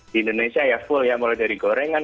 di indonesia ya full ya mulai dari gorengan